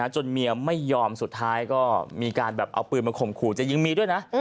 จนเมียไม่ยอมสุดท้ายก็มีการแบบเอาปืนมาข่มขู่จะยิงเมียด้วยนะ